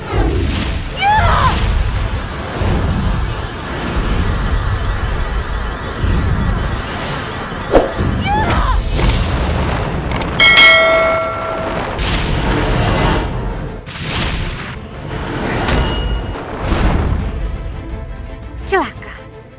tia tidak bikin mulut aku